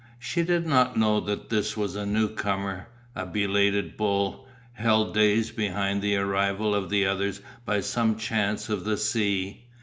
She did not know that this was a newcomer, a belated bull, held days behind the arrival of the others by some chance of the sea.